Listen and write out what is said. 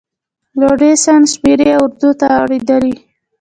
لوڼسې شمېرې اردو ته اړېدلي.